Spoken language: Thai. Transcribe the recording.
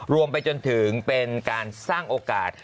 ไปจนถึงเป็นการสร้างโอกาส